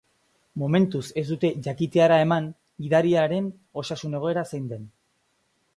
Momentuz ez dute jakiteara eman gidariaren osasun egoera zein den.